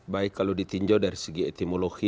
baik kalau ditinjau dari segi etimologi